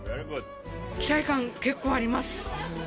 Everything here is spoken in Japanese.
期待感、結構あります。